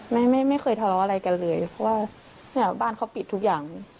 ไม่ไม่เคยทะเลาะอะไรกันเลยเพราะว่าเนี่ยบ้านเขาปิดทุกอย่าง